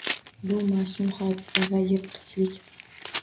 Bu mash’um hodisa va yirtqichlik